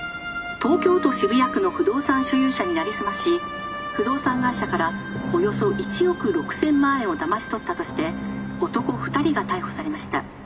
東京都渋谷区の不動産所有者になりすまし不動産会社からおよそ１億６，０００万円をだまし取ったとして男二人が逮捕されました。